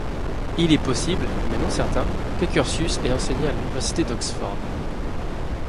Il est possible, mais non certain, qu'Accursius ait enseigné à l'université d'Oxford.